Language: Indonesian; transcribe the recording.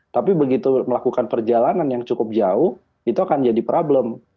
tapi begitu melakukan perjalanan yang cukup jauh itu akan jadi problem